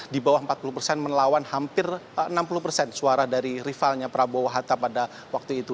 di bawah empat puluh persen melawan hampir enam puluh persen suara dari rivalnya prabowo hatta pada waktu itu